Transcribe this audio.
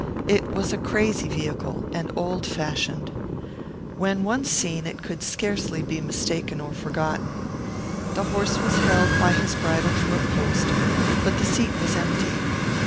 It was a crazy vehicle and old fashioned. When once seen it could scarcely be mistaken or forgotten. The horse was held by his bridle to a post, but the seat was empty.